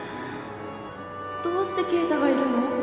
どうして敬太がいるの？